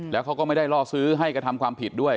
แล้วเขาก็ไม่ได้ล่อซื้อให้กระทำความผิดด้วย